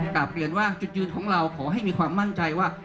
กลับเรียนว่าจุดยืนของเราขอให้มีความมั่นใจว่า